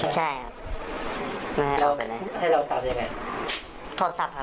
ใช่ครับ